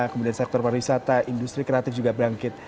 kemudian sektor pariwisata industri kreatif juga bangkit